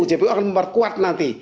jpu akan memperkuat nanti